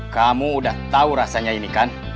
kamu udah tahu rasanya ini kan